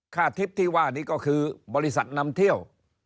ทริปที่ว่านี้ก็คือบริษัทนำเที่ยว